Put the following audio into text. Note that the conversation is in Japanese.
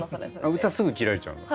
歌すぐ切られちゃうの？